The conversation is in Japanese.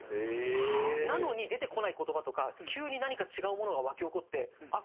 なのに出てこない言葉とか急に何か違うものが湧き起こってあっ